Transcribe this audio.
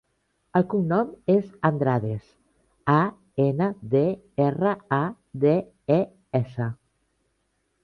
El cognom és Andrades: a, ena, de, erra, a, de, e, essa.